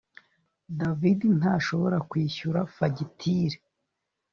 David ntashobora kwishyura fagitire